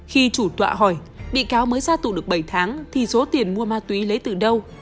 khi chủ tọa hỏi bị cáo mới ra tù được bảy tháng thì số tiền mua ma túy lấy từ đâu